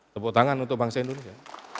tepuk tangan untuk bangsa indonesia